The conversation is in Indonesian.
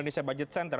indonesia budget center